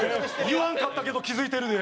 言わんかったけど気付いてるで。